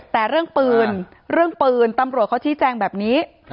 แต่เรื่องปืนเรื่องปืนตำรวจเขาชี้แจงแบบนี้